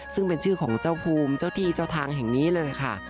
ซึ่งเป็นชื่อของเจ้าภูมิเจ้าที่เจ้าทางแห่งนี้เลยค่ะ